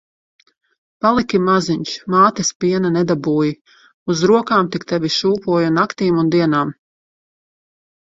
Paliki maziņš, mātes piena nedabūji. Uz rokām tik tevi šūpoju naktīm un dienām.